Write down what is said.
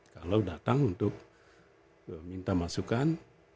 kalau datang untuk minta masukan